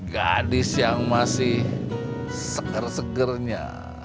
gadis yang masih seger segernya